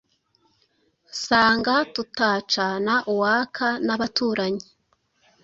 Nsanga tutacana uwaka n'abaturanyi.